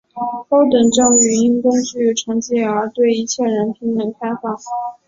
高等教育应根据成绩而对一切人平等开放。